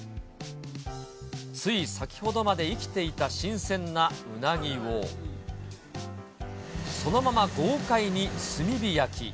つい先ほどまで生きていた新鮮なうなぎを、そのまま豪快に炭火焼き。